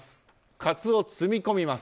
カツオを積み込みます。